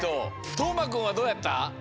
とうまくんはどうやった？